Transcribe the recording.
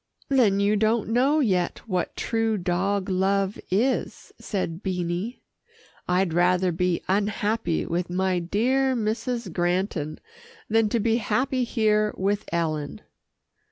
"Then you don't know yet what true dog love is," said Beanie. "I'd rather be unhappy with my dear Mrs. Granton than to be happy here with Ellen."